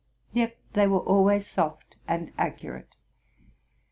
Yet they were always soft and accurate.